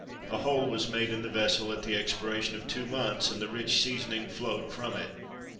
A hole was made in the vessel at the expiration of two months, and the rich seasoning flowed from it.